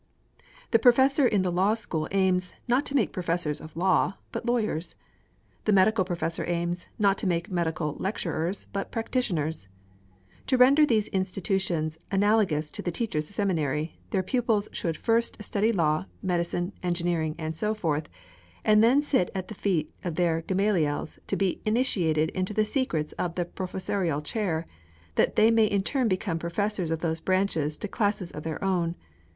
The Professor in the Law School aims, not to make Professors of law, but lawyers. The medical Professor aims, not to make medical lecturers, but practitioners. To render these institutions analogous to the Teachers' Seminary, their pupils should first study law, medicine, engineering, and so forth, and then sit at the feet of their Gamaliels to be initiated into the secrets of the Professorial chair, that they may in turn become Professors of those branches to classes of their own.